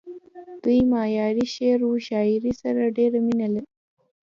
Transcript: دوي معياري شعر و شاعرۍ سره ډېره مينه